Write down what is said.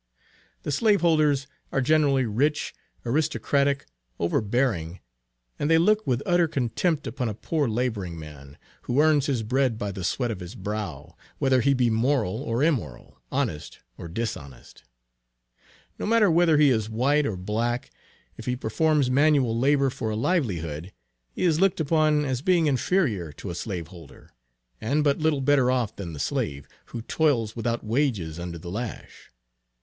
The slave holders are generally rich, aristocratic, overbearing; and they look with utter contempt upon a poor laboring man, who earns his bread by the "sweat of his brow," whether he be moral or immoral, honest or dishonest. No matter whether he is white or black; if he performs manual labor for a livelihood, he is looked upon as being inferior to a slaveholder, and but little better off than the slave, who toils without wages under the lash.